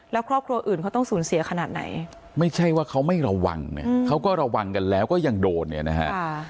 แล้วครอบครัวอื่นเขาต้องสูญเสียขนาดไหนไม่ใช่ว่าเขาไม่ระวังเนี่ยเขาก็ระวังกันแล้วก็ยังโดนเนี่ยนะฮะ